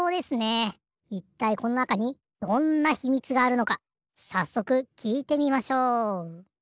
いったいこのなかにどんな秘密があるのかさっそくきいてみましょう。